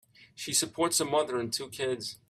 She supports a mother and two kids.